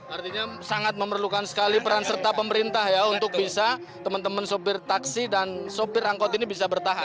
artinya sangat memerlukan sekali peran serta pemerintah ya untuk bisa teman teman sopir taksi dan sopir angkot ini bisa bertahan